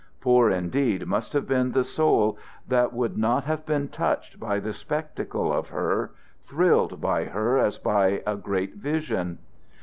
Poor indeed must have been the soul that would not have been touched by the spectacle of her, thrilled by her as by a great vision.